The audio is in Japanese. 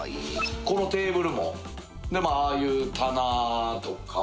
このテーブルもああいう棚とか。